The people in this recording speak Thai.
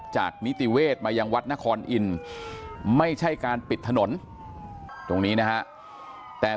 นิติเวศมายังวัดนครอินทร์ไม่ใช่การปิดถนนตรงนี้นะฮะแต่